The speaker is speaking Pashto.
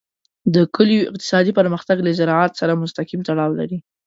د کلیو اقتصادي پرمختګ له زراعت سره مستقیم تړاو لري.